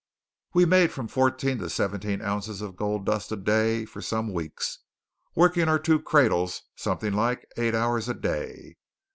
We made from fourteen to seventeen ounces of gold dust a day for some weeks, working our two cradles something like eight hours a day.